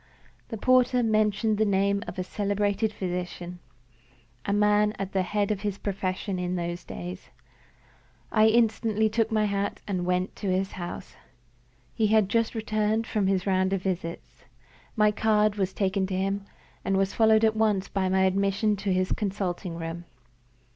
The porter mentioned the name of a celebrated physician a man at the head of his profession in those days. I instantly took my hat and went to his house. He had just returned from his round of visits. My card was taken to him, and was followed at once by my admission to his consulting room.